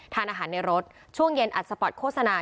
ทานอาหารในรถช่วงเย็นอัดสปอร์ตโฆษณา